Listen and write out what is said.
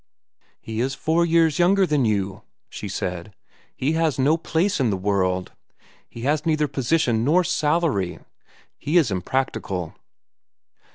"He is four years younger than you," she said. "He has no place in the world. He has neither position nor salary. He is impractical.